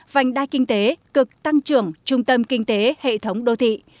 vành đai kinh tế cực tăng trưởng trung tâm kinh tế hệ thống đô thị